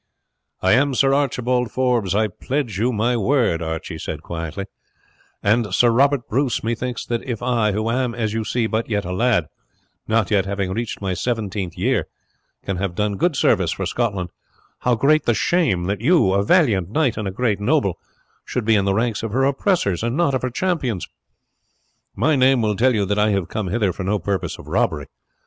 "I am Sir Archibald Forbes, I pledge you my word," Archie said quietly; "and, Sir Robert Bruce, methinks that if I, who am, as you see, but yet a lad not yet having reached my seventeenth year can have done good service for Scotland, how great the shame that you, a valiant knight and a great noble, should be in the ranks of her oppressors, and not of her champions! My name will tell you that I have come hither for no purpose of robbery.